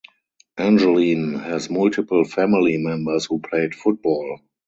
Angeline has multiple family members who played football.